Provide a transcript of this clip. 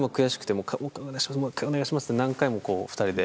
もう一回お願いしますって何回も２人で。